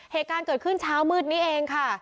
เหตุการณ์เกิดขึ้นเช้ามืดนี้เองค่ะ